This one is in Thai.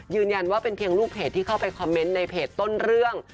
ยืนยันว่าเป็นเพียงลูกเพจที่เข้าไปคอมเมนต์ในเพจต้นเรื่อง